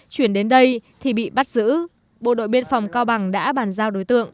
chuyển đến đây thì bị bắt giữ bộ đội biên phòng cao bằng đã bàn giao đối tượng